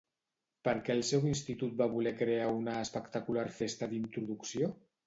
Per què el seu institut va voler crear una espectacular festa d'introducció?